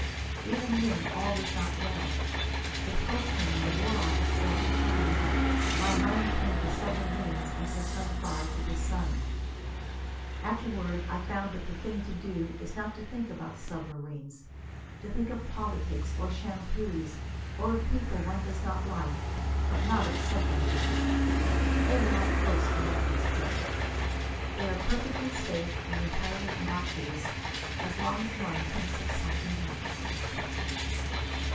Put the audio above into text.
Even then, all was not well. With Folkstone and the war office well behind, my mind turned to submarines as a sunflower to the sun. Afterward I found that the thing to do is not to think about submarines. To think of politics, or shampoos, or of people one does not like, but not of submarines. They are like ghosts in that respect. They are perfectly safe and entirely innocuous as long as one thinks of something else.